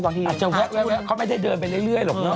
อาจจะแวะเขาไม่ได้เดินไปเรื่อยหรอกเนอ